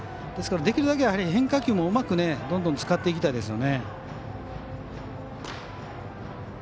ですから、できるだけ変化球もうまく、どんどん使っていきたいですね。